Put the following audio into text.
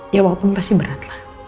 ya walaupun pasti beratlah